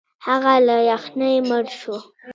هغه له یخنۍ مړ شو.